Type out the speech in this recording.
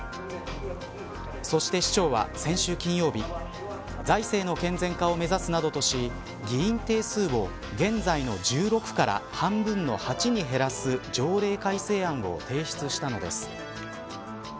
そして市長は、先週金曜日財政の健全化を目指すなどとし議員定数を現在の１６から半分の８に減らす条例改正案を提出したのです。